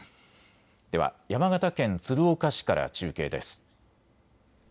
では山形県鶴岡市から中継です。